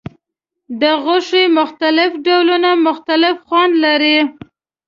د غوښې مختلف ډولونه مختلف خوند لري.